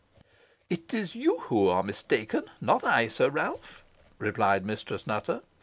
"It is you who are mistaken, not I, Sir Ralph," replied Mistress Nutter.